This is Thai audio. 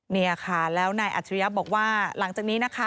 นี่ค่ะแล้วนายอัจฉริยะบอกว่าหลังจากนี้นะคะ